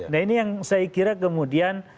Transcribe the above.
nah ini yang saya kira kemudian